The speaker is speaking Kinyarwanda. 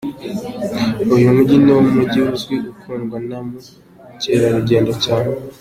Uyu mujyi niwo mujyi uzwi ukundwa naba mukerarugendo cyane.